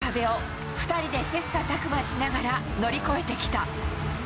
１０秒の壁を２人で切さたく磨しながら乗り越えてきた。